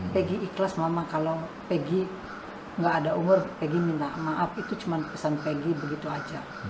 peggy ikhlas mama kalau peggy enggak ada umur peggy minta maaf itu cuman pesan peggy begitu aja